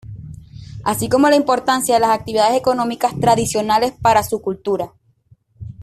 Así como la importancia de las actividades económicas tradicionales para su cultura.